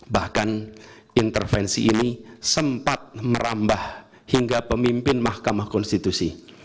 bahkan intervensi kekuasaan dalam rangkaian pelaksanaan pilpres dua ribu dua puluh empat